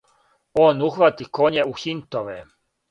Он ухвати коње у хинтове,